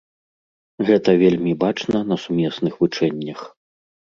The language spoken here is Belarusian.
Гэта вельмі бачна на сумесных вучэннях.